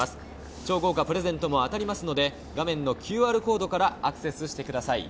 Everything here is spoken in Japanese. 超豪華プレゼントも当たりますので、画面のＱＲコードからアクセスしてください。